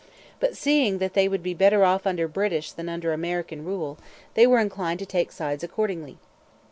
But, seeing that they would be better off under British than under American rule, they were inclined to take sides accordingly.